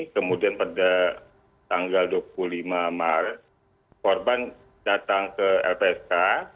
kemudian pada tanggal dua puluh lima maret korban datang ke lpsk